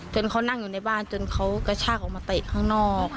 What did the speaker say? เขานั่งอยู่ในบ้านจนเขากระชากออกมาเตะข้างนอก